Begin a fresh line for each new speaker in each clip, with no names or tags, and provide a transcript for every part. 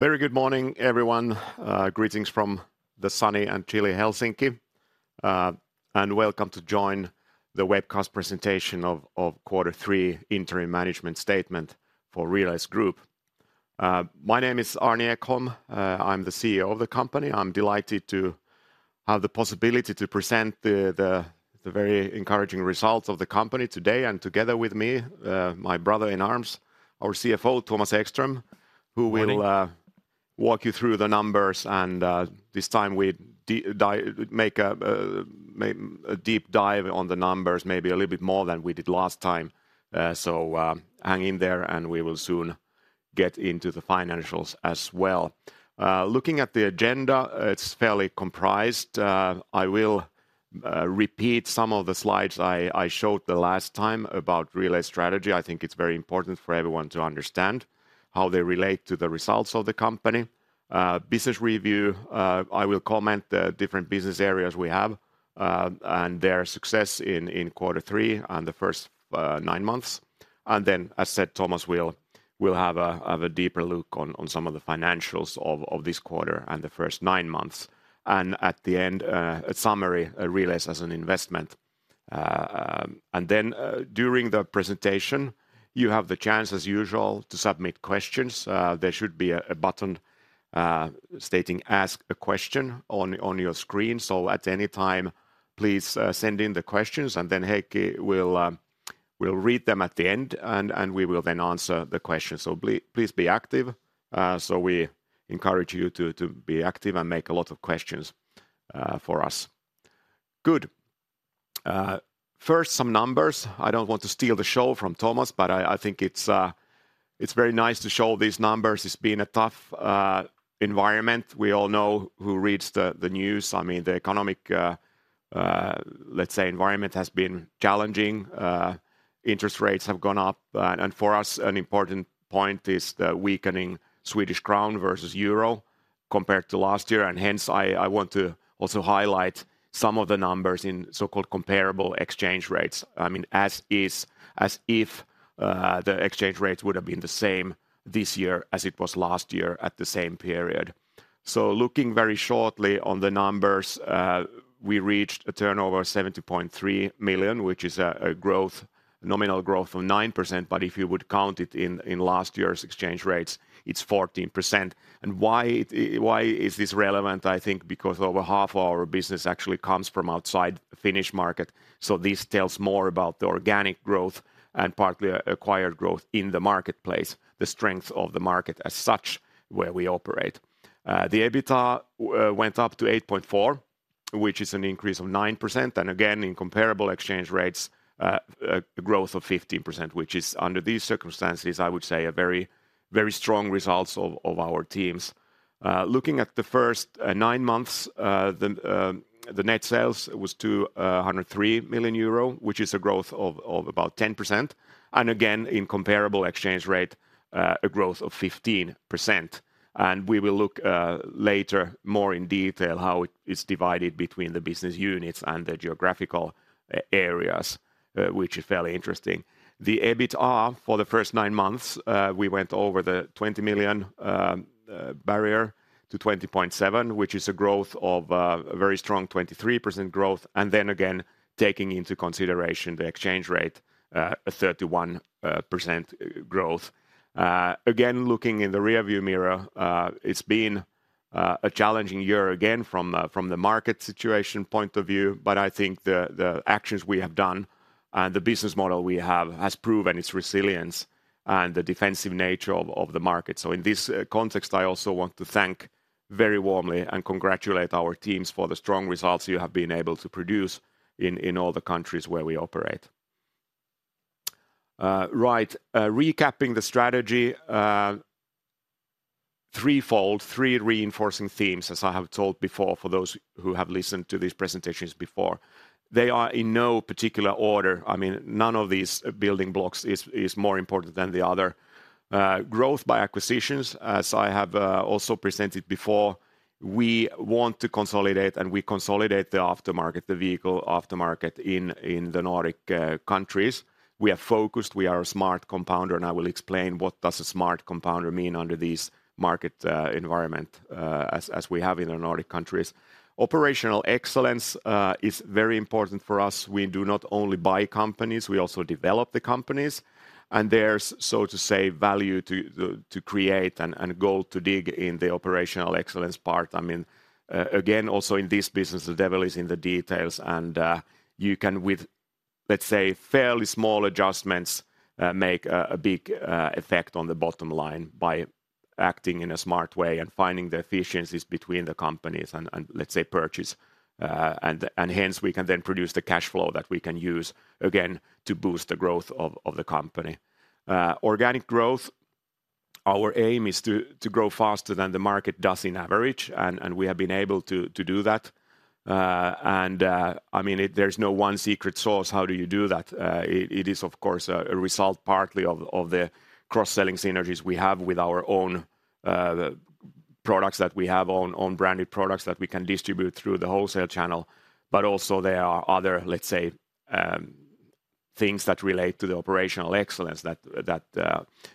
Very good morning, everyone. Greetings from the sunny and chilly Helsinki. Welcome to join the webcast presentation of quarter three interim management statement for Relais Group. My name is Arni Ekholm. I'm the CEO of the company. I'm delighted to have the possibility to present the very encouraging results of the company today, and together with me, my brother-in-arms, our CFO, Thomas Ekström.
Morning...
who will walk you through the numbers. And this time we make a deep dive on the numbers, maybe a little bit more than we did last time. So, hang in there, and we will soon get into the financials as well. Looking at the agenda, it's fairly comprised. I will repeat some of the slides I showed the last time about Relais' strategy. I think it's very important for everyone to understand how they relate to the results of the company. Business review, I will comment the different business areas we have, and their success in quarter three and the first nine months. And then, as said, Thomas will have a deeper look on some of the financials of this quarter and the first nine months. And at the end, a summary, Relais as an investment. And then, during the presentation, you have the chance, as usual, to submit questions. There should be a button stating, "Ask a question," on your screen. So at any time, please, send in the questions, and then Erkki will read them at the end, and we will then answer the questions. So please be active. So we encourage you to be active and make a lot of questions for us. Good. First, some numbers. I don't want to steal the show from Thomas, but I think it's very nice to show these numbers. It's been a tough environment. We all know who reads the news. I mean, the economic, let's say, environment has been challenging. Interest rates have gone up, and for us, an important point is the weakening Swedish krona versus euro compared to last year. And hence, I want to also highlight some of the numbers in so-called comparable exchange rates. I mean, as is, as if, the exchange rates would have been the same this year as it was last year at the same period. Looking very shortly on the numbers, we reached a turnover of 70.3 million, which is a growth, nominal growth of 9%, but if you would count it in last year's exchange rates, it's 14%. Why is this relevant? I think because over half of our business actually comes from outside Finnish market, so this tells more about the organic growth and partly acquired growth in the marketplace, the strength of the market as such, where we operate. The EBITDA went up to 8.4 million, which is an increase of 9%, and again, in comparable exchange rates, a growth of 15%, which is, under these circumstances, I would say, a very, very strong result of our teams. Looking at the first nine months, the net sales was 203 million euro, which is a growth of about 10%, and again, in comparable exchange rate, a growth of 15%. And we will look later more in detail how it is divided between the business units and the geographical areas, which is fairly interesting. The EBITA for the first nine months, we went over the 20 million barrier to 20.7 million, which is a growth of a very strong 23% growth, and then again, taking into consideration the exchange rate, a 31% growth. Again, looking in the rearview mirror, it's been a challenging year again from the market situation point of view, but I think the actions we have done and the business model we have has proven its resilience and the defensive nature of the market. So in this context, I also want to thank very warmly and congratulate our teams for the strong results you have been able to produce in all the countries where we operate. Right. Recapping the strategy, threefold, three reinforcing themes, as I have told before, for those who have listened to these presentations before. They are in no particular order. I mean, none of these building blocks is more important than the other. Growth by acquisitions, as I have also presented before, we want to consolidate, and we consolidate the aftermarket, the vehicle aftermarket in the Nordic countries. We are focused, we are a smart compounder, and I will explain what does a smart compounder mean under this market environment, as we have in the Nordic countries. Operational excellence is very important for us. We do not only buy companies, we also develop the companies, and there's, so to say, value to the, to create and, and goal to dig in the operational excellence part. I mean, again, also in this business, the devil is in the details and, you can with, let's say, fairly small adjustments, make a big effect on the bottom line by acting in a smart way and finding the efficiencies between the companies and, let's say, purchase. And hence, we can then produce the cash flow that we can use, again, to boost the growth of the company. Organic growth, our aim is to grow faster than the market does in average, and we have been able to do that. And, I mean, it, there's no one secret sauce how do you do that. It is, of course, a result partly of the cross-selling synergies we have with our own, the products that we have, own, own-branded products that we can distribute through the wholesale channel, but also there are other, let's say, things that relate to the operational excellence that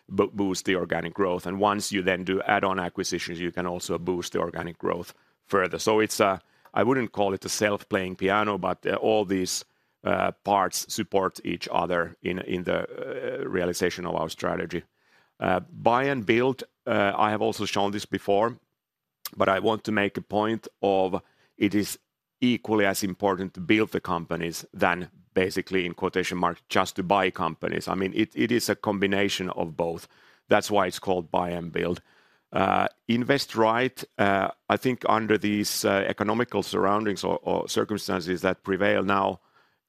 boost the organic growth. Once you then do add-on acquisitions, you can also boost the organic growth further. I wouldn't call it a self-playing piano, but all these parts support each other in the realization of our strategy. Buy and build, I have also shown this before, but I want to make a point of it is equally as important to build the companies than basically, in quotation mark, "Just to buy companies." I mean, it is a combination of both. That's why it's called buy and build. Invest right, I think under these economical surroundings or circumstances that prevail now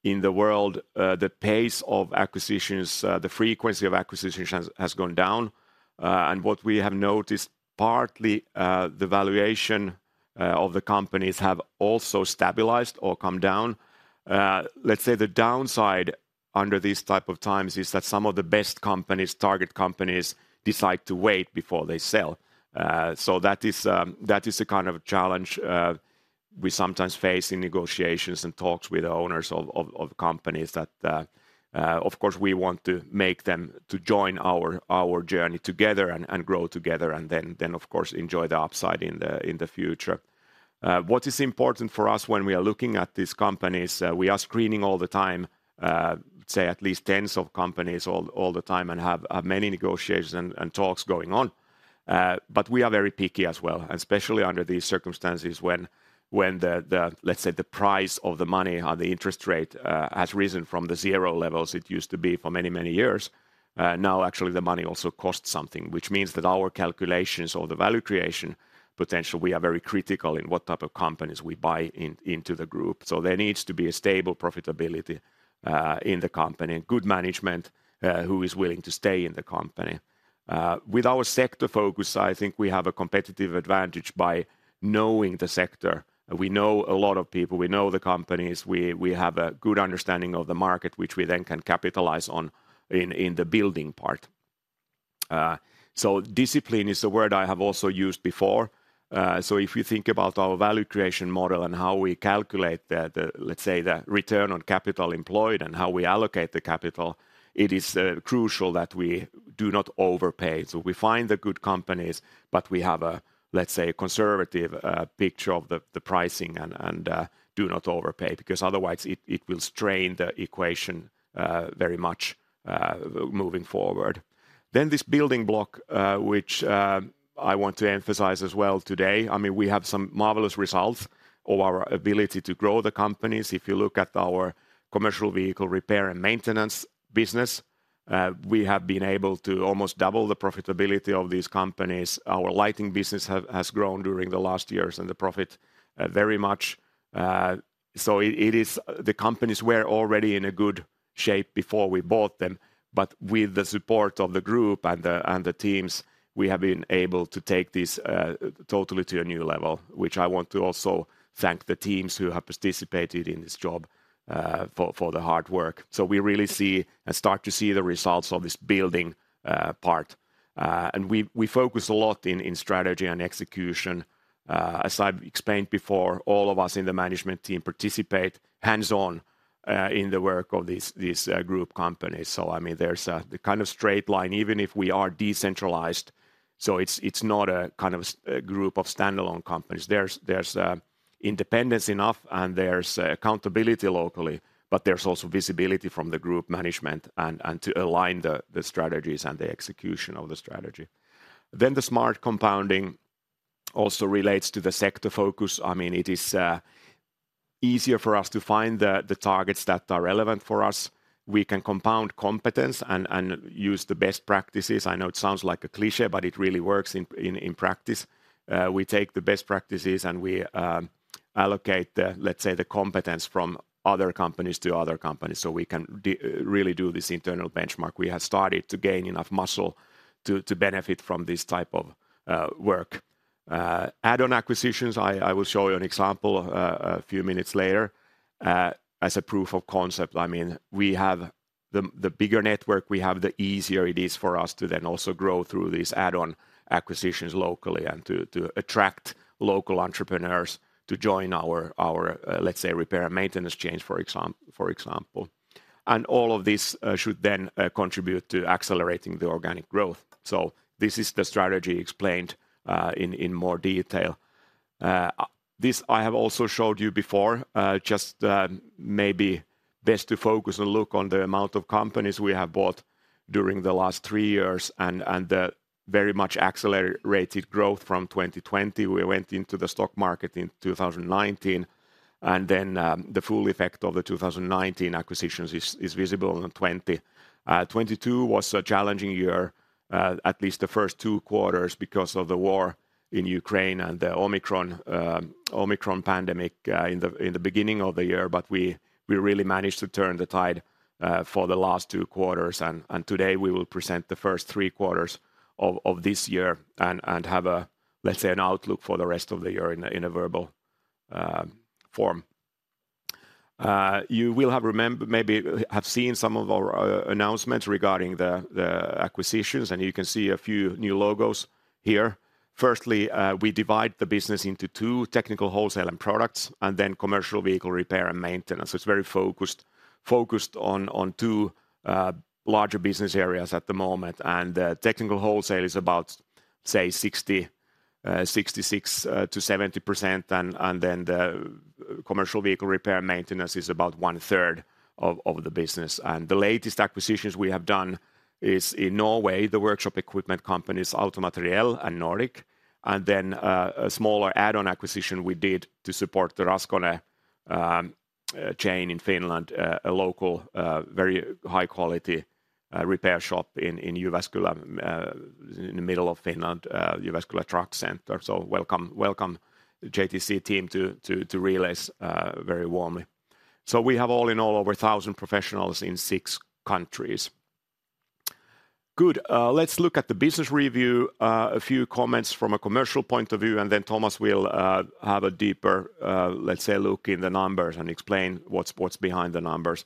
in the world, the pace of acquisitions, the frequency of acquisitions has gone down. And what we have noticed, partly, the valuation of the companies have also stabilized or come down. Let's say the downside under these type of times is that some of the best companies, target companies, decide to wait before they sell. So that is, that is a kind of challenge, we sometimes face in negotiations and talks with owners of companies that, of course, we want to make them to join our journey together and grow together, and then, of course, enjoy the upside in the future. What is important for us when we are looking at these companies, we are screening all the time, say, at least tens of companies all the time, and have many negotiations and talks going on. But we are very picky as well, especially under these circumstances, when the, let's say, the price of the money or the interest rate has risen from the zero levels it used to be for many, many years. Now, actually, the money also costs something, which means that our calculations or the value creation potential, we are very critical in what type of companies we buy into the group. So there needs to be a stable profitability in the company, and good management who is willing to stay in the company. With our sector focus, I think we have a competitive advantage by knowing the sector. We know a lot of people, we know the companies, we have a good understanding of the market, which we then can capitalize on in the building part. So discipline is a word I have also used before. So if you think about our value creation model and how we calculate the, let's say, the return on capital employed and how we allocate the capital, it is crucial that we do not overpay. So we find the good companies, but we have a, let's say, conservative picture of the pricing and do not overpay, because otherwise it will strain the equation very much moving forward. Then this building block, which I want to emphasize as well today, I mean, we have some marvelous results of our ability to grow the companies. If you look at our commercial vehicle repair and maintenance business, we have been able to almost double the profitability of these companies. Our lighting business has grown during the last years, and the profit very much. So it is. The companies were already in a good shape before we bought them, but with the support of the group and the teams, we have been able to take this totally to a new level, which I want to also thank the teams who have participated in this job for the hard work. So we really see and start to see the results of this building part. And we focus a lot in strategy and execution. As I've explained before, all of us in the management team participate hands-on in the work of these group companies. So, I mean, there's the kind of straight line, even if we are decentralized, so it's not a kind of group of standalone companies. There's independence enough, and there's accountability locally, but there's also visibility from the group management and to align the strategies and the execution of the strategy. Then the smart compounding also relates to the sector focus. I mean, it is easier for us to find the targets that are relevant for us. We can compound competence and use the best practices. I know it sounds like a cliché, but it really works in practice. We take the best practices, and we allocate the, let's say, the competence from other companies to other companies, so we can really do this internal benchmark. We have started to gain enough muscle to benefit from this type of work. Add-on acquisitions, I will show you an example a few minutes later, as a proof of concept. I mean, we have the bigger network we have, the easier it is for us to then also grow through these add-on acquisitions locally and to attract local entrepreneurs to join our, let's say, repair and maintenance chains, for example. All of this should then contribute to accelerating the organic growth. This is the strategy explained in more detail. This I have also showed you before, just maybe best to focus and look on the amount of companies we have bought during the last three years and the very much accelerated growth from 2020. We went into the stock market in 2019, and then the full effect of the 2019 acquisitions is visible in 2020. 2022 was a challenging year, at least the first two quarters, because of the war in Ukraine and the Omicron pandemic in the beginning of the year, but we really managed to turn the tide for the last two quarters. Today, we will present the first three quarters of this year and have a, let's say, an outlook for the rest of the year in a verbal form. You may have seen some of our announcements regarding the acquisitions, and you can see a few new logos here. First, we divide the business into two: Technical Wholesale and Products, and then Commercial Vehicle Repair and Maintenance. So it's very focused on two larger business areas at the moment. Technical Wholesale is about, say, 66%-70%. Then the Commercial Vehicle Repair and Maintenance is about 1/3 of the business. The latest acquisitions we have done is in Norway, the workshop equipment companies, AutoMateriell and Nordic Lift, and then a smaller add-on acquisition we did to support the Raskone chain in Finland, a local very high-quality repair shop in Jyväskylä in the middle of Finland, Jyväskylä Truck Center. So welcome, welcome, JTC team, to Relais very warmly. So we have all in all, over 1,000 professionals in six countries. Good. Let's look at the business review. A few comments from a commercial point of view, and then Thomas will have a deeper, let's say, look in the numbers and explain what's behind the numbers.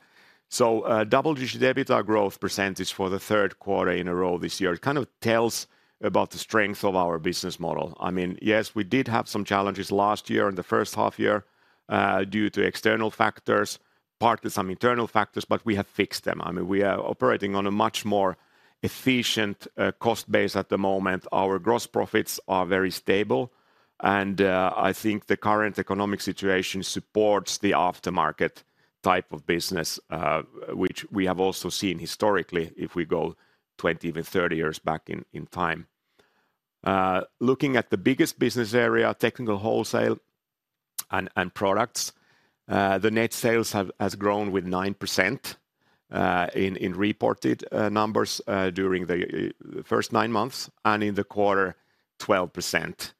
So double-digit EBITDA growth percentage for the third quarter in a row this year. It kind of tells about the strength of our business model. I mean, yes, we did have some challenges last year in the first half year, due to external factors, partly some internal factors, but we have fixed them. I mean, we are operating on a much more efficient cost base at the moment. Our gross profits are very stable, and I think the current economic situation supports the aftermarket type of business, which we have also seen historically, if we go 20, even 30 years back in time. Looking at the biggest business area, Technical Wholesale and Products, the net sales has grown with 9%, in reported numbers, during the first nine months, and in the quarter, 12%.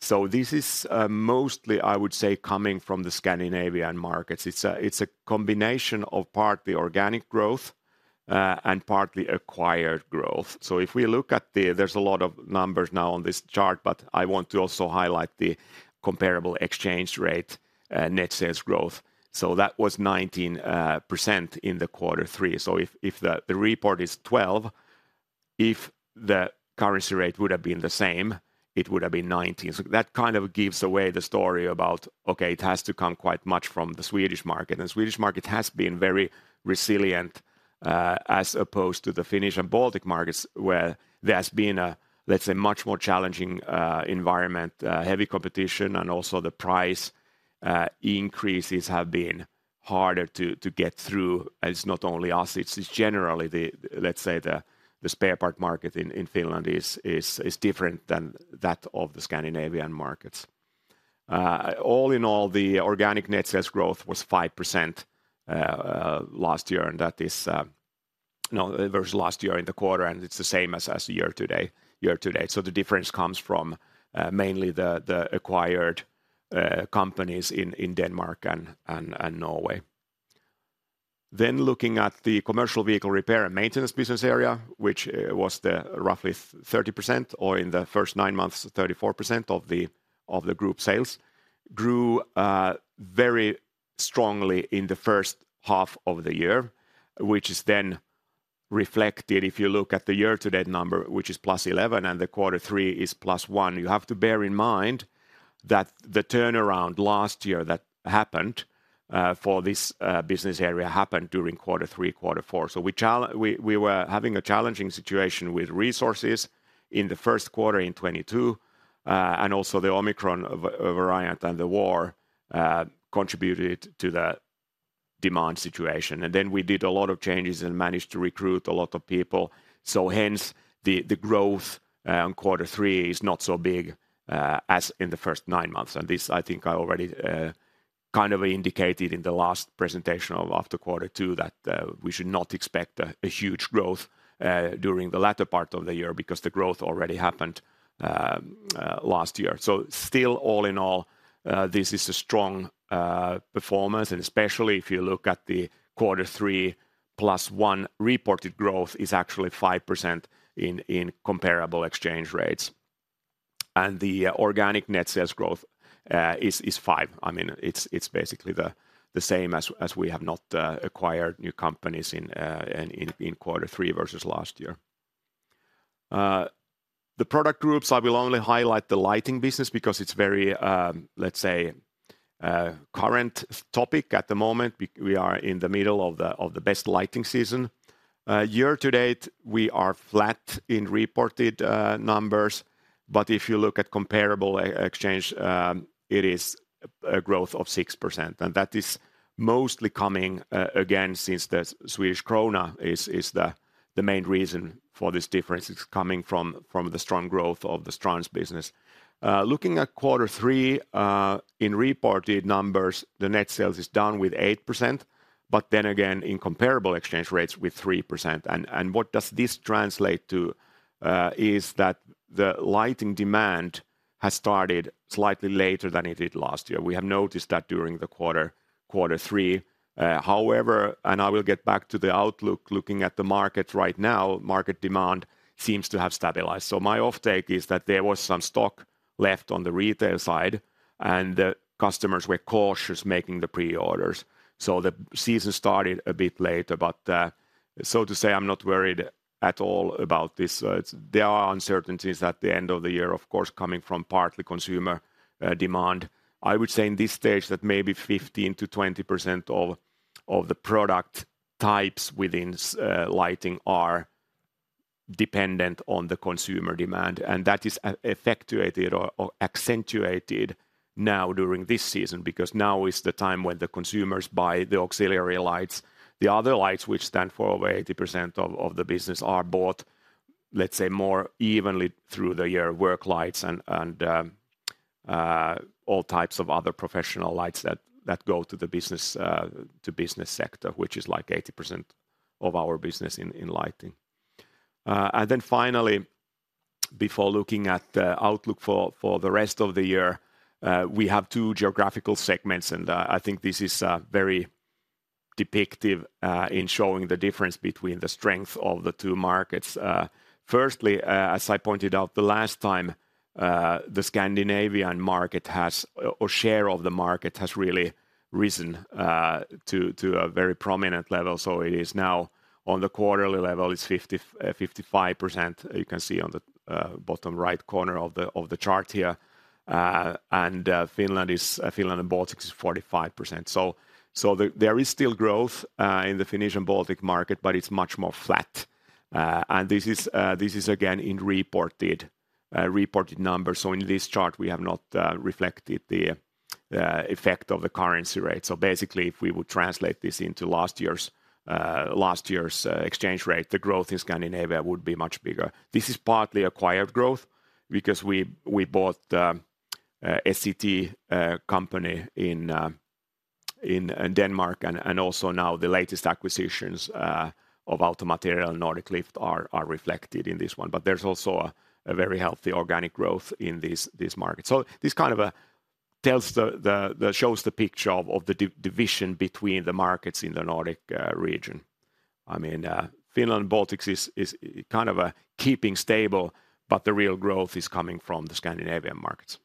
So this is mostly, I would say, coming from the Scandinavian markets. It's a combination of partly organic growth and partly acquired growth. So if we look at the... There's a lot of numbers now on this chart, but I want to also highlight the comparable exchange rate net sales growth. So that was 19% in quarter three. So if the report is 12, if the currency rate would have been the same, it would have been 19. So that kind of gives away the story about, okay, it has to come quite much from the Swedish market, and the Swedish market has been very resilient, as opposed to the Finnish and Baltic markets, where there has been a, let's say, much more challenging environment, heavy competition, and also the price increases have been harder to get through. It's not only us, it's generally, let's say, the spare part market in Finland is different than that of the Scandinavian markets. All in all, the organic net sales growth was 5% last year, and that is... No, it was last year in the quarter, and it's the same as year-to-date. So the difference comes from mainly the acquired companies in Denmark and Norway. Then looking at the Commercial Vehicle Repair and Maintenance business area, which was the roughly 30%, or in the first nine months, 34% of the group sales, grew very strongly in the first half of the year, which is then reflected if you look at the year-to-date number, which is +11%, and quarter three is +1%. You have to bear in mind that the turnaround last year that happened for this business area happened during quarter three, quarter four. So we were having a challenging situation with resources in the first quarter in 2022, and also the Omicron variant and the war contributed to that demand situation. And then we did a lot of changes and managed to recruit a lot of people. So hence, the growth on quarter three is not so big as in the first nine months. And this, I think I already kind of indicated in the last presentation of after quarter two, that we should not expect a huge growth during the latter part of the year, because the growth already happened last year. So still, all in all, this is a strong performance, and especially if you look at the quarter three plus one, reported growth is actually 5% in comparable exchange rates. And the organic net sales growth is 5%. I mean, it's basically the same as we have not acquired new companies in quarter three versus last year. The product groups, I will only highlight the lighting business because it's very, let's say, current topic at the moment. We are in the middle of the best lighting season. Year to date, we are flat in reported numbers, but if you look at comparable exchange, it is a growth of 6%, and that is mostly coming, again, since the Swedish krona is the main reason for this difference. It's coming from the strong growth of the Strands business. Looking at quarter three, in reported numbers, the net sales is down with 8%, but then again, in comparable exchange rates, with 3%. And what does this translate to is that the lighting demand has started slightly later than it did last year. We have noticed that during the quarter, quarter three. However, and I will get back to the outlook, looking at the market right now, market demand seems to have stabilized. So my off-take is that there was some stock left on the retail side, and the customers were cautious making the pre-orders. So the season started a bit later, but, so to say, I'm not worried at all about this. There are uncertainties at the end of the year, of course, coming from partly consumer demand. I would say in this stage that maybe 15%-20% of the product types within lighting are dependent on the consumer demand, and that is effectuated or accentuated now during this season, because now is the time when the consumers buy the auxiliary lights. The other lights, which stand for over 80% of the business, are bought, let's say, more evenly through the year, work lights and all types of other professional lights that go to the business to business sector, which is like 80% of our business in lighting. And then finally, before looking at the outlook for the rest of the year, we have two geographical segments, and I think this is very depictive in showing the difference between the strength of the two markets. Firstly, as I pointed out the last time, the Scandinavian market has, or share of the market has really risen to a very prominent level, so it is now on the quarterly level, it's 55%. You can see on the bottom right corner of the chart here. Finland and Baltics is 45%. So there is still growth in the Finnish and Baltic market, but it's much more flat. And this is again in reported numbers. So in this chart, we have not reflected the effect of the currency rate. So basically, if we would translate this into last year's exchange rate, the growth in Scandinavia would be much bigger. This is partly acquired growth because we bought S-E-T company in Denmark, and also now the latest acquisitions of AutoMateriell and Nordic Lift are reflected in this one. But there's also a very healthy organic growth in this market. This kind of tells the picture of the division between the markets in the Nordic region. I mean, Finland, Baltics is kind of keeping stable, but the real growth is coming from the Scandinavian markets.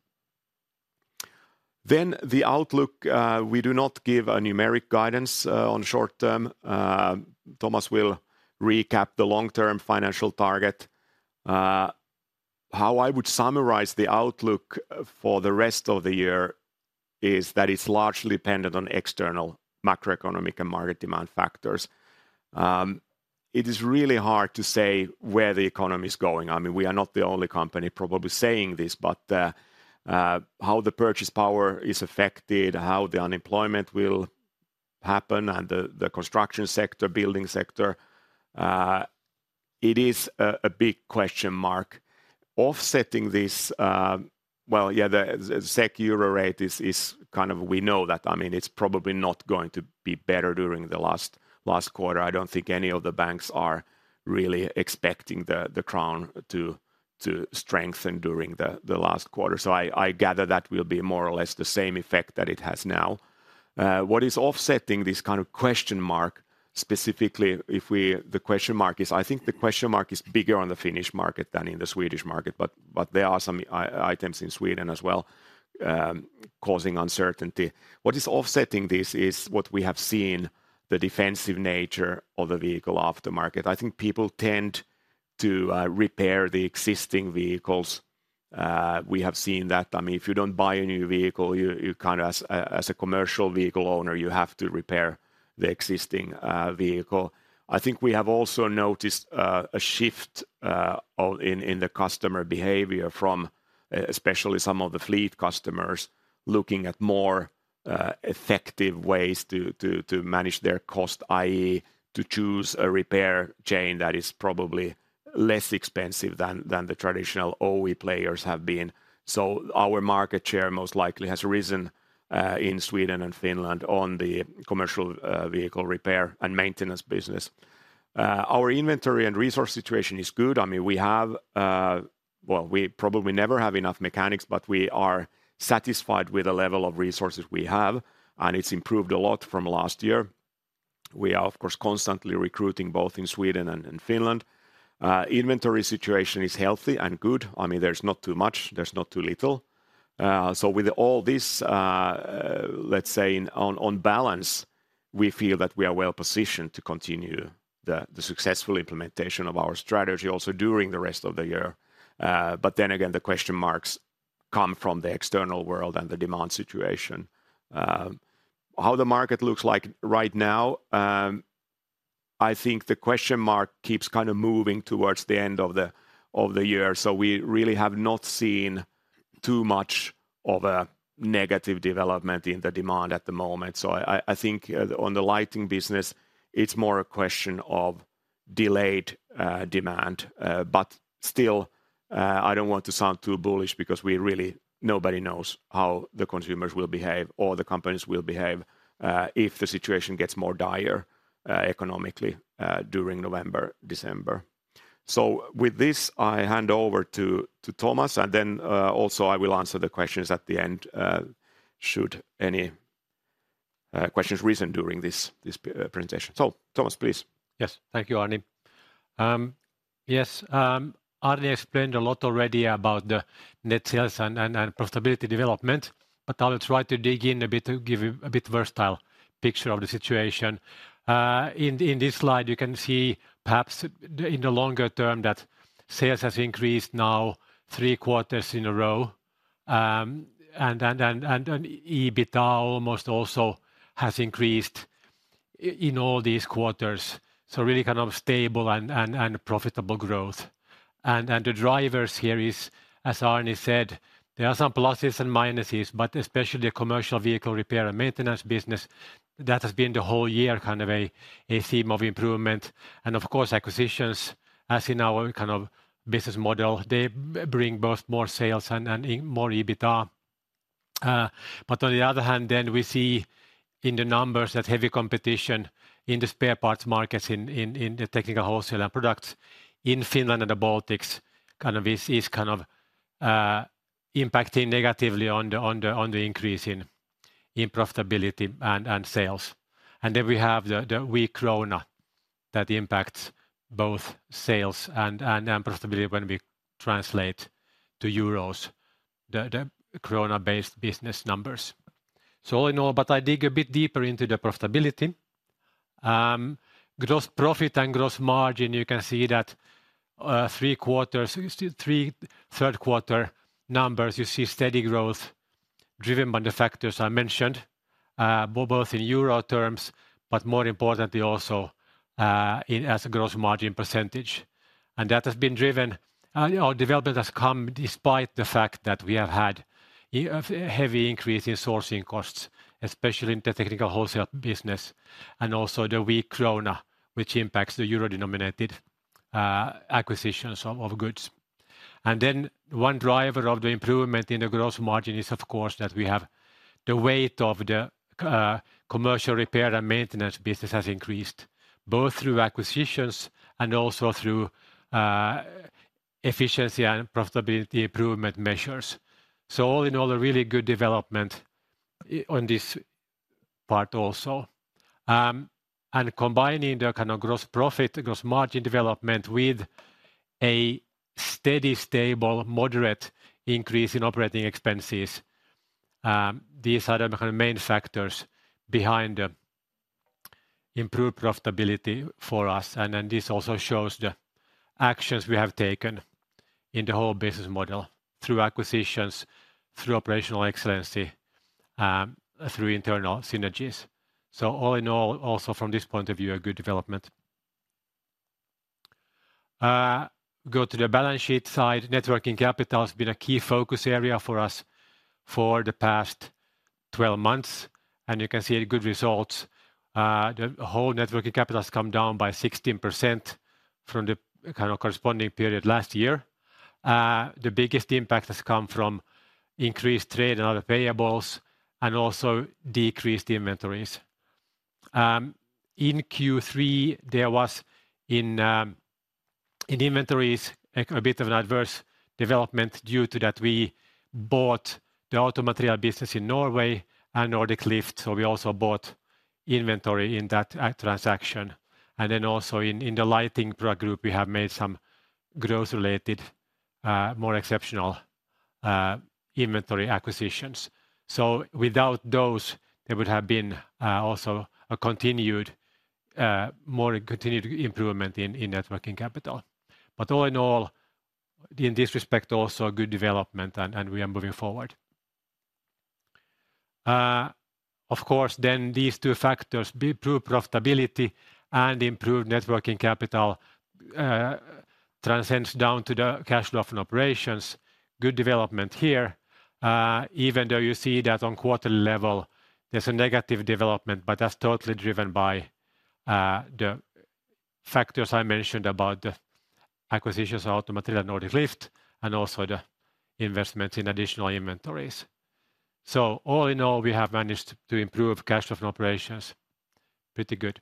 The outlook, we do not give a numeric guidance on short term. Thomas will recap the long-term financial target. How I would summarize the outlook for the rest of the year is that it's largely dependent on external macroeconomic and market demand factors. It is really hard to say where the economy is going. I mean, we are not the only company probably saying this, but how the purchase power is affected, how the unemployment will happen, and the construction sector, building sector, it is a big question mark. Offsetting this, well, yeah, the SEK/EUR rate is kind of we know that. I mean, it's probably not going to be better during the last quarter. I don't think any of the banks are really expecting the crown to strengthen during the last quarter. So I gather that will be more or less the same effect that it has now. What is offsetting this kind of question mark, specifically, the question mark is, I think the question mark is bigger on the Finnish market than in the Swedish market, but there are some items in Sweden as well, causing uncertainty. What is offsetting this is what we have seen, the defensive nature of the vehicle aftermarket. I think people tend to repair the existing vehicles. We have seen that. I mean, if you don't buy a new vehicle, you kind of, as a commercial vehicle owner, you have to repair the existing vehicle. I think we have also noticed a shift in the customer behavior from especially some of the fleet customers, looking at more effective ways to manage their cost, i.e., to choose a repair chain that is probably less expensive than the traditional OE players have been. So our market share most likely has risen in Sweden and Finland on the commercial vehicle repair and maintenance business. Our inventory and resource situation is good. I mean, we have... Well, we probably never have enough mechanics, but we are satisfied with the level of resources we have, and it's improved a lot from last year. We are, of course, constantly recruiting both in Sweden and Finland. Inventory situation is healthy and good. I mean, there's not too much, there's not too little. So with all this, let's say on balance, we feel that we are well positioned to continue the successful implementation of our strategy also during the rest of the year. But then again, the question marks come from the external world and the demand situation. How the market looks like right now, I think the question mark keeps kind of moving towards the end of the year. So we really have not seen too much of a negative development in the demand at the moment. So I think on the lighting business, it's more a question of delayed demand, but still, I don't want to sound too bullish because we really—nobody knows how the consumers will behave or the companies will behave, if the situation gets more dire, economically, during November, December. So with this, I hand over to Thomas, and then also I will answer the questions at the end, should any questions arisen during this presentation. So, Thomas, please.
Yes. Thank you, Arni. Yes, Arni explained a lot already about the net sales and profitability development, but I'll try to dig in a bit to give you a bit versatile picture of the situation. In this slide, you can see perhaps in the longer term, that sales has increased now three quarters in a row. And EBITDA almost also has increased in all these quarters, so really kind of stable and profitable growth. And the drivers here is, as Arni said, there are some pluses and minuses, but especially commercial vehicle repair and maintenance business, that has been the whole year kind of a theme of improvement. And of course, acquisitions, as in our kind of business model, they bring both more sales and more EBITDA. But on the other hand, then we see in the numbers that heavy competition in the spare parts markets, in the Technical Wholesale and Products in Finland and the Baltics, kind of is kind of impacting negatively on the increase in profitability and sales. And then we have the weak krona that impacts both sales and profitability when we translate to euros, the krona-based business numbers. So all in all, but I dig a bit deeper into the profitability. Gross profit and gross margin, you can see that three quarters, still third quarter numbers, you see steady growth driven by the factors I mentioned, both in euro terms, but more importantly also in as a gross margin percentage. That has been driven. Our development has come despite the fact that we have had a heavy increase in sourcing costs, especially in the Technical Wholesale business, and also the weak krona, which impacts the euro-denominated acquisitions of goods. Then one driver of the improvement in the gross margin is, of course, that we have the weight of the commercial repair and maintenance business has increased, both through acquisitions and also through efficiency and profitability improvement measures. So all in all, a really good development on this part also. And combining the kind of gross profit, gross margin development with a steady, stable, moderate increase in operating expenses, these are the kind of main factors behind the improved profitability for us. And then this also shows the actions we have taken in the whole business model through acquisitions, through operational excellence, through internal synergies. So all in all, also from this point of view, a good development. Go to the balance sheet side. Net working capital has been a key focus area for us for the past 12 months, and you can see the good results. The whole net working capital has come down by 16% from the kind of corresponding period last year. The biggest impact has come from increased trade and other payables and also decreased inventories. In Q3, there was in inventories a bit of an adverse development due to that we bought the AutoMateriell business in Norway and Nordic Lift, so we also bought inventory in that transaction. And then also in the lighting product group, we have made some growth-related, more exceptional, inventory acquisitions. So without those, there would have been also a continued more continued improvement in net working capital. But all in all, in this respect, also a good development, and we are moving forward. Of course, then these two factors, improved profitability and improved net working capital, transcends down to the cash flow from operations. Good development here, even though you see that on quarter level, there's a negative development, but that's totally driven by the factors I mentioned about the acquisitions of AutoMateriell and Nordic Lift, and also the investments in additional inventories. So all in all, we have managed to improve cash flow from operations. Pretty good.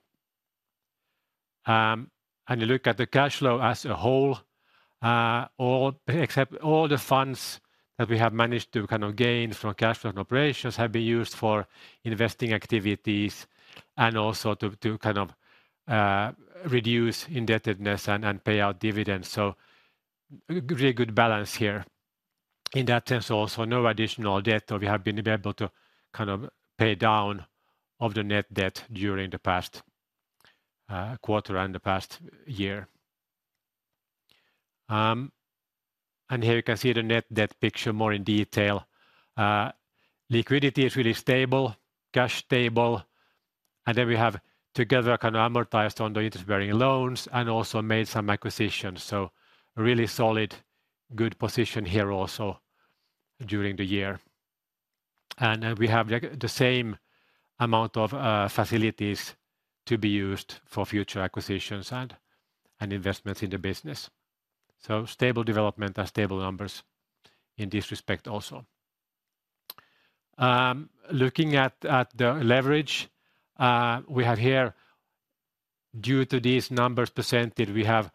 And you look at the cash flow as a whole, all except all the funds that we have managed to kind of gain from cash flow from operations have been used for investing activities and also to, to kind of, reduce indebtedness and, and pay out dividends. So really good balance here. In that sense, also, no additional debt, so we have been able to kind of pay down of the net debt during the past, quarter and the past year. And here you can see the net debt picture more in detail. Liquidity is really stable, cash stable, and then we have together kind of amortized on the interest-bearing loans and also made some acquisitions. So really solid, good position here also during the year. And we have the same amount of facilities to be used for future acquisitions and investments in the business. So stable development and stable numbers in this respect also. Looking at the leverage, we have here, due to these numbers presented, we have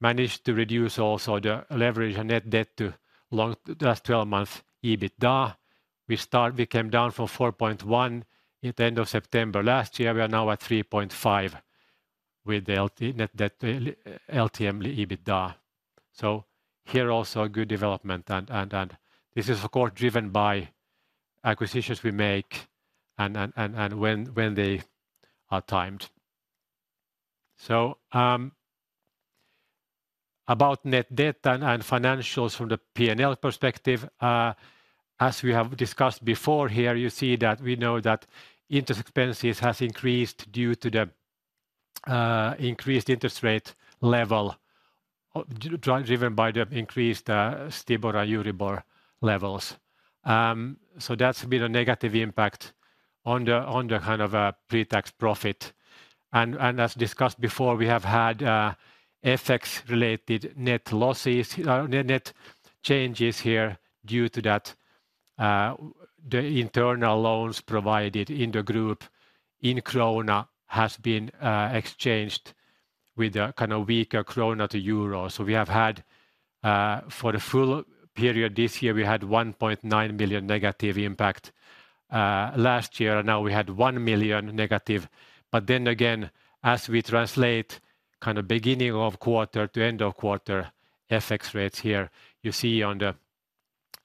managed to reduce also the leverage and net debt to last twelve months EBITDA. We came down from 4.1 at the end of September last year. We are now at 3.5 with the LTM net debt to LTM EBITDA. So here also a good development, and this is of course driven by acquisitions we make and when they are timed. About net debt and financials from the P&L perspective, as we have discussed before, here you see that we know that interest expenses has increased due to the increased interest rate level, driven by the increased STIBOR and EURIBOR levels. That's been a negative impact on the kind of pre-tax profit. As discussed before, we have had FX-related net losses, net changes here due to that the internal loans provided in the group in krona has been exchanged with a kind of weaker krona to euro. We have had, for the full period this year, we had 1.9 million negative impact. Last year, we had 1 million negative. But then again, as we translate kind of beginning of quarter to end of quarter FX rates here, you see on the...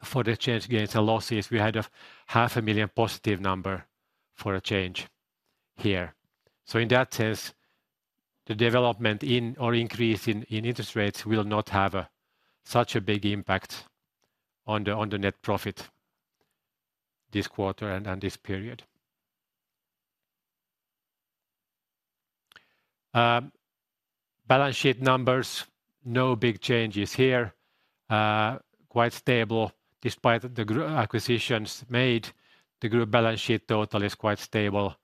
For the exchange gains and losses, we had 0.5 million positive number for exchange here. So in that sense, the development in or increase in interest rates will not have such a big impact on the net profit this quarter and this period. Balance sheet numbers, no big changes here. Quite stable. Despite the acquisitions made, the group balance sheet total is quite stable.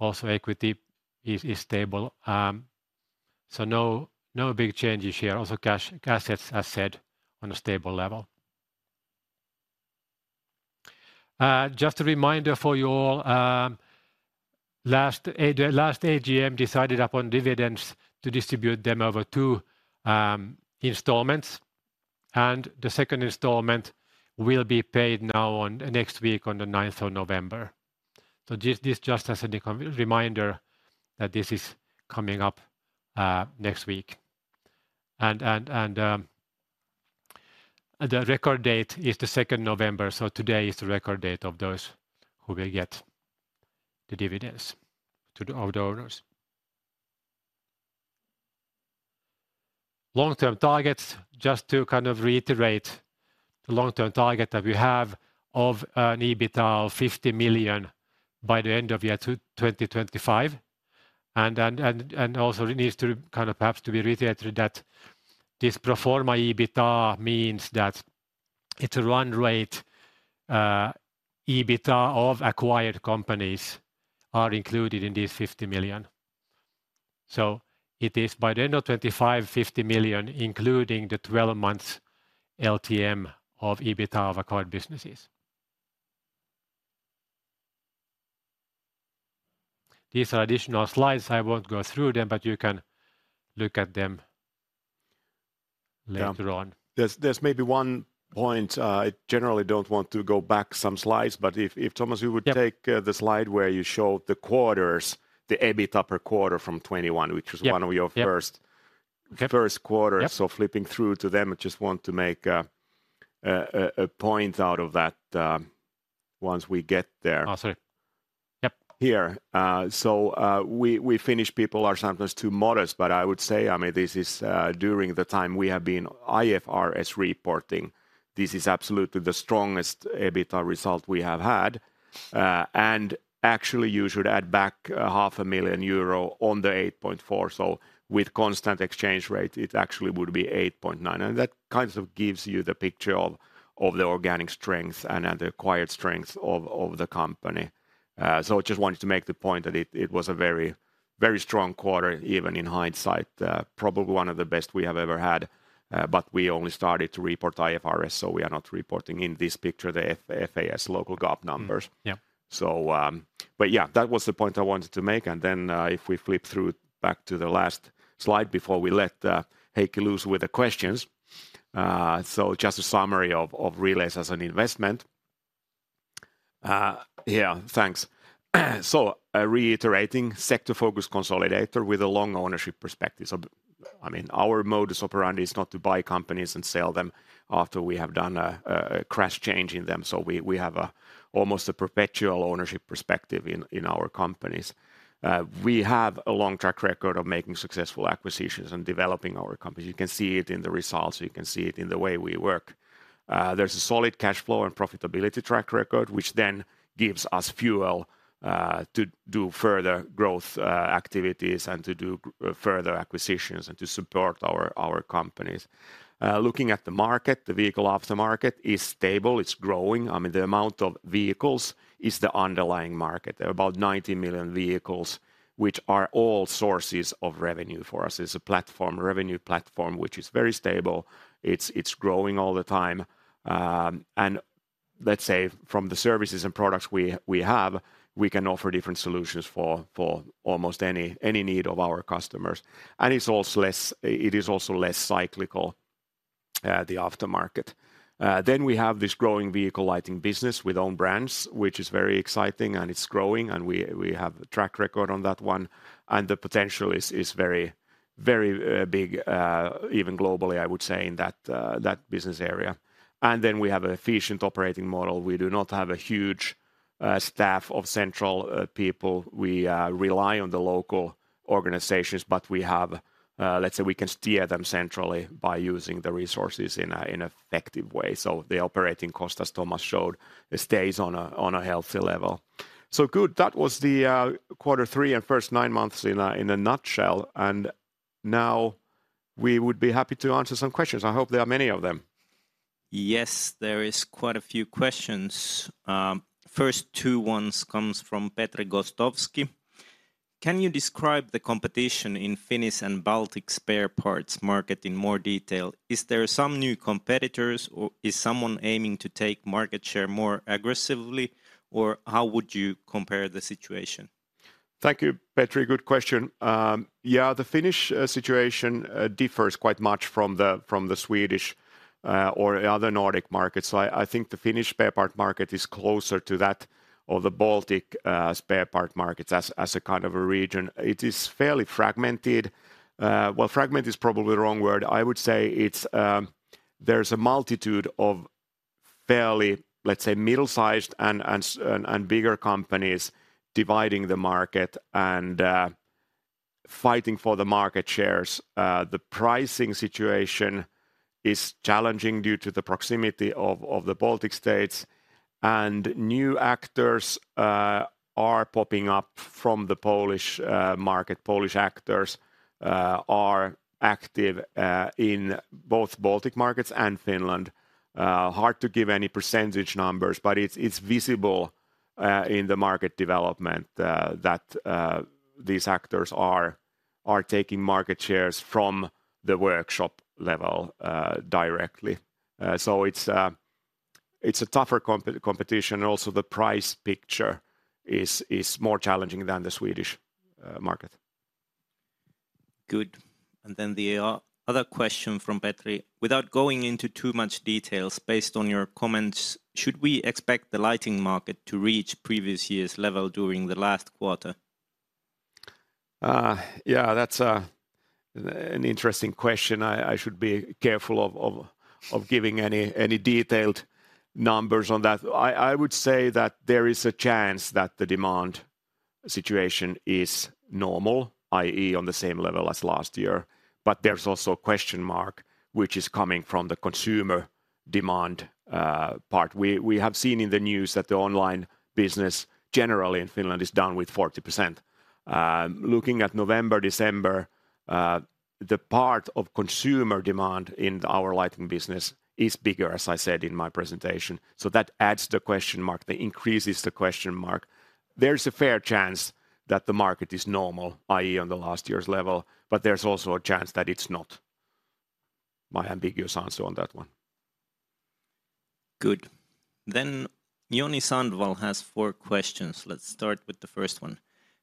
Also, equity is stable. So no big changes here. Also, cash assets, as said, on a stable level. Just a reminder for you all, last AGM decided upon dividends to distribute them over two installments, and the second installment will be paid next week, on the ninth of November. So this just as a reminder that this is coming up next week. The record date is the second of November, so today is the record date of those who will get the dividends to the owners. Long-term targets, just to kind of reiterate the long-term target that we have of an EBITDA of 50 million by the end of 2025. Also it needs to kind of perhaps be reiterated that this pro forma EBITDA means that it's a run rate, EBITDA of acquired companies are included in this 50 million. It is by the end of 2025, 50 million, including the 12 months LTM of EBITDA of acquired businesses. These are additional slides. I won't go through them, but you can look at them later on.
Yeah. There's maybe one point. I generally don't want to go back some slides, but if Thomas, you would-
Yep...
take, the slide where you showed the quarters, the EBITDA per quarter from 21-
Yep, yep...
which was one of your first-
Yep...
first quarters.
Yep.
Flipping through to them, I just want to make a point out of that, once we get there.
Oh, sorry. Yep.
So, we Finnish people are sometimes too modest, but I would say, I mean, this is during the time we have been IFRS reporting, this is absolutely the strongest EBITDA result we have had. And actually, you should add back 0.5 million euro on the 8.4 million. So with constant exchange rate, it actually would be 8.9 million. And that kind of gives you the picture of the organic strength and the acquired strength of the company. So just wanted to make the point that it was a very, very strong quarter, even in hindsight, probably one of the best we have ever had. But we only started to report IFRS, so we are not reporting in this picture the FAS local GAAP numbers.
Mm-hmm. Yep.
So, but yeah, that was the point I wanted to make. And then, if we flip through back to the last slide before we let Erkki loose with the questions. So just a summary of Relais as an investment. Yeah, thanks. So reiterating, sector-focused consolidator with a long ownership perspective. So, I mean, our modus operandi is not to buy companies and sell them after we have done a crash change in them. So we have almost a perpetual ownership perspective in our companies. We have a long track record of making successful acquisitions and developing our companies. You can see it in the results, you can see it in the way we work. There's a solid cash flow and profitability track record, which then gives us fuel to do further growth activities and to do further acquisitions and to support our companies. Looking at the market, the vehicle aftermarket is stable, it's growing. I mean, the amount of vehicles is the underlying market. There are about 90 million vehicles, which are all sources of revenue for us. It's a platform, revenue platform, which is very stable. It's growing all the time. And let's say, from the services and products we have, we can offer different solutions for almost any need of our customers. It is also less cyclical, the aftermarket. Then we have this growing vehicle lighting business with own brands, which is very exciting, and it's growing, and we, we have a track record on that one, and the potential is, is very, very big, even globally, I would say, in that, that business area. And then we have an efficient operating model. We do not have a huge staff of central people. We rely on the local organizations, but we have... let's say we can steer them centrally by using the resources in a, in effective way. So the operating cost, as Thomas showed, it stays on a, on a healthy level. So good, that was the quarter three and first nine months in a, in a nutshell, and now we would be happy to answer some questions. I hope there are many of them.
Yes, there is quite a few questions. First two ones comes from Petri Gostowski. Can you describe the competition in Finnish and Baltic spare parts market in more detail? Is there some new competitors, or is someone aiming to take market share more aggressively, or how would you compare the situation?
Thank you, Petri. Good question. Yeah, the Finnish situation differs quite much from the Swedish or other Nordic markets. So I think the Finnish spare part market is closer to that of the Baltic spare part markets as a kind of a region. It is fairly fragmented. Well, fragment is probably the wrong word. I would say it's... there's a multitude of fairly, let's say, middle-sized and bigger companies dividing the market and fighting for the market shares. The pricing situation is challenging due to the proximity of the Baltic States, and new actors are popping up from the Polish market. Polish actors are active in both Baltic markets and Finland. Hard to give any percentage numbers, but it's visible in the market development that these actors are taking market shares from the workshop level directly. So it's a tougher competition, and also the price picture is more challenging than the Swedish market.
Good. And then the other question from Petri: Without going into too much details, based on your comments, should we expect the lighting market to reach previous year's level during the last quarter?
Yeah, that's an interesting question. I should be careful of giving any detailed numbers on that. I would say that there is a chance that the demand situation is normal, i.e., on the same level as last year, but there's also a question mark, which is coming from the consumer demand part. We have seen in the news that the online business generally in Finland is down with 40%. Looking at November, December, the part of consumer demand in our lighting business is bigger, as I said in my presentation, so that adds the question mark, that increases the question mark. There's a fair chance that the market is normal, i.e., on the last year's level, but there's also a chance that it's not. My ambiguous answer on that one.
Good. Then Joni Sandvall has four questions. Let's start with the first one.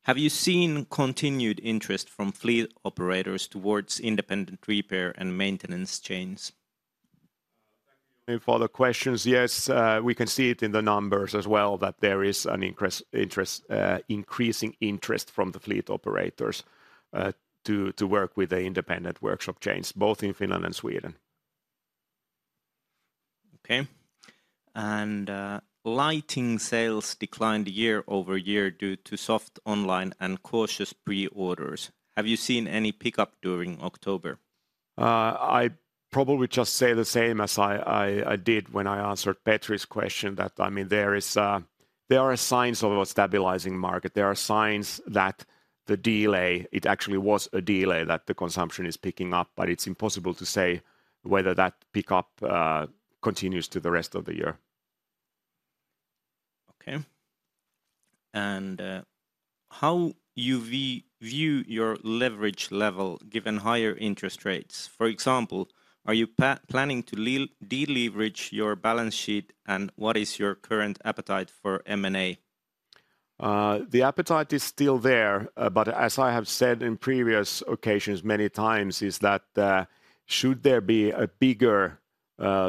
Have you seen continued interest from fleet operators towards independent repair and maintenance chains?
Thank you for the questions. Yes, we can see it in the numbers as well that there is an increasing interest from the fleet operators to work with the independent workshop chains, both in Finland and Sweden.
Okay. Lighting sales declined year-over-year due to soft online and cautious pre-orders. Have you seen any pickup during October?
I'd probably just say the same as I did when I answered Petri's question, that, I mean, there are signs of a stabilizing market. There are signs that the delay, it actually was a delay, that the consumption is picking up, but it's impossible to say whether that pickup continues to the rest of the year.
Okay. And how you view your leverage level given higher interest rates? For example, are you planning to deleverage your balance sheet, and what is your current appetite for M&A?
The appetite is still there, but as I have said in previous occasions many times, is that, should there be a bigger,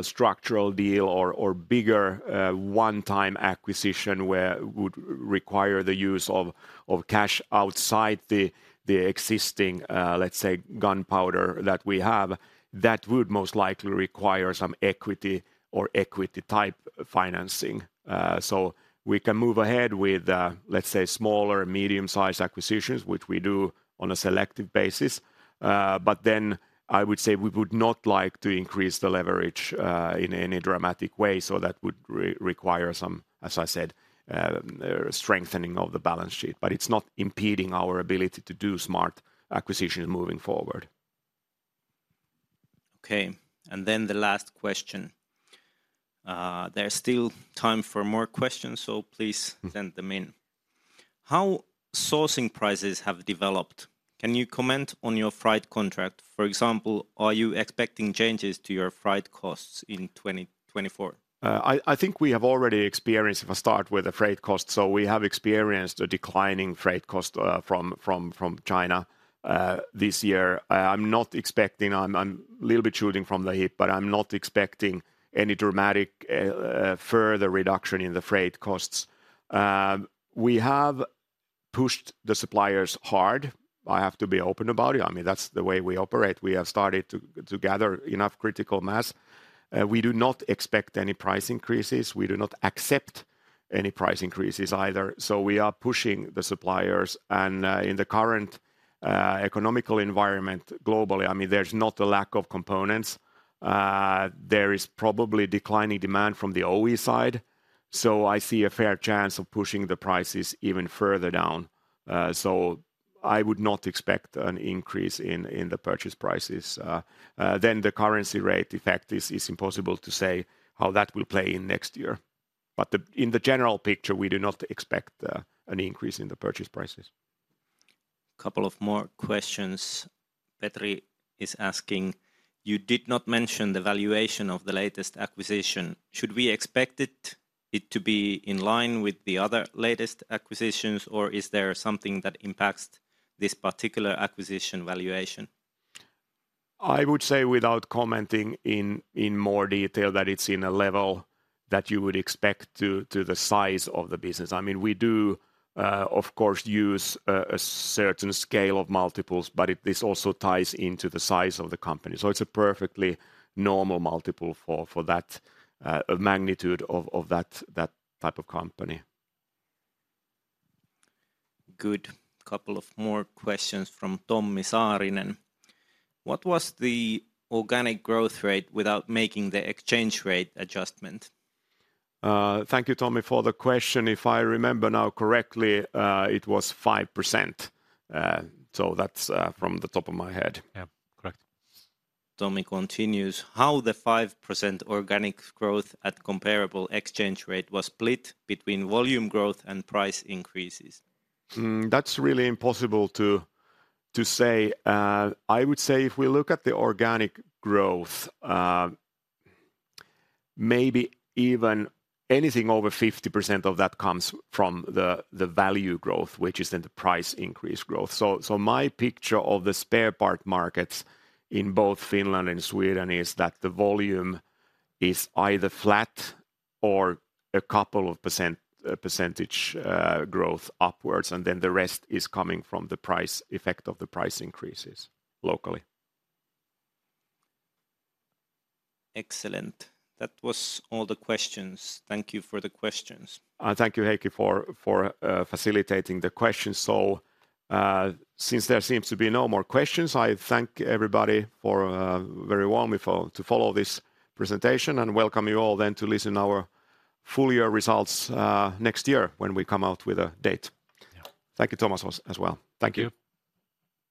structural deal or, or bigger, one-time acquisition where would require the use of, of cash outside the, the existing, let's say, gunpowder that we have, that would most likely require some equity or equity-type financing. So we can move ahead with, let's say, small or medium-sized acquisitions, which we do on a selective basis. But then I would say we would not like to increase the leverage, in any dramatic way, so that would require some, as I said, strengthening of the balance sheet. But it's not impeding our ability to do smart acquisitions moving forward.
Okay, and then the last question. There's still time for more questions, so please-
Mm...
send them in. How sourcing prices have developed? Can you comment on your freight contract? For example, are you expecting changes to your freight costs in 2024?
I think we have already experienced, if I start with the freight cost, so we have experienced a declining freight cost from China this year. I'm not expecting. I'm a little bit shooting from the hip, but I'm not expecting any dramatic further reduction in the freight costs. We have pushed the suppliers hard. I have to be open about it. I mean, that's the way we operate. We have started to gather enough critical mass. We do not expect any price increases. We do not accept any price increases either. So we are pushing the suppliers. And in the current economic environment globally, I mean, there's not a lack of components. There is probably declining demand from the OE side, so I see a fair chance of pushing the prices even further down. So I would not expect an increase in the purchase prices. Then the currency rate effect is impossible to say how that will play in next year. But in the general picture, we do not expect an increase in the purchase prices.
Couple of more questions. Petri is asking, "You did not mention the valuation of the latest acquisition. Should we expect it, it to be in line with the other latest acquisitions, or is there something that impacts this particular acquisition valuation?
I would say, without commenting in more detail, that it's in a level that you would expect to the size of the business. I mean, we do, of course, use a certain scale of multiples, but this also ties into the size of the company. So it's a perfectly normal multiple for that magnitude of that type of company.
Good. Couple of more questions from Tommi Saarinen: "What was the organic growth rate without making the exchange rate adjustment?
Thank you, Tommy, for the question. If I remember now correctly, it was 5%. So that's from the top of my head.
Yeah, correct. Tommy continues, "How the 5% organic growth at comparable exchange rate was split between volume growth and price increases?
Hmm, that's really impossible to say. I would say if we look at the organic growth, maybe even anything over 50% of that comes from the value growth, which is then the price increase growth. So my picture of the spare part markets in both Finland and Sweden is that the volume is either flat or a couple of percent, percentage, growth upwards, and then the rest is coming from the price effect of the price increases locally.
Excellent. That was all the questions. Thank you for the questions.
Thank you, Erkki, for facilitating the questions. So, since there seems to be no more questions, I thank everybody very warmly for to follow this presentation, and welcome you all then to listen our full year results next year when we come out with a date.
Yeah.
Thank you, Thomas, as well. Thank you!